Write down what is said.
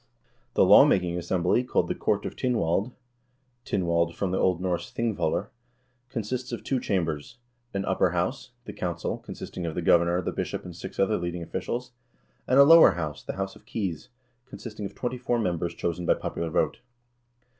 The law making assembly, called the Court of Tynwald (Tynwald < O. N. pingvollr), consists of two chambers; an upper house, the Council, consisting of the governor, the bishop, and six other leading officials ; and a lower house, the House of Keys, consisting of twenty four members chosen by popular vote.